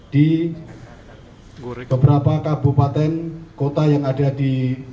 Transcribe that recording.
di beberapa kabupaten kota yang ada di